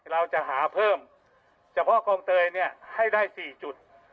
เราจะหาเพิ่มเฉพาะกองเตยเนี่ยให้ได้๔จุด